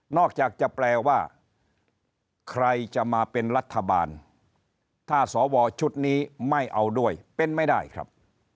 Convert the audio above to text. จากจะแปลว่าใครจะมาเป็นรัฐบาลถ้าสวชุดนี้ไม่เอาด้วยเป็นไม่ได้ครับ